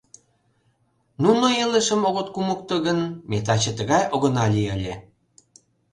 Нуно илышым огыт кумыкто гын, ме таче тыгай огына лий ыле.